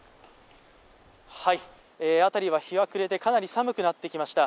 辺りは日が暮れてかなり寒くなってきました。